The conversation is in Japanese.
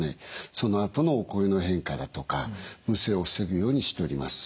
そのあとのお声の変化だとかむせを防ぐようにしております。